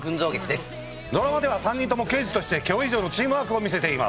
ドラマでは３人とも刑事として今日以上のチームワークを見せています。